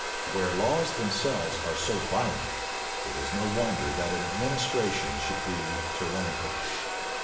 Where laws themselves are so violent, it is no wonder that an administration should be tyrannical.